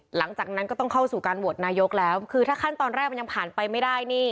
หลังจากนั้นก็ต้องเข้าสู่การโหวตนายกแล้วคือถ้าขั้นตอนแรกมันยังผ่านไปไม่ได้นี่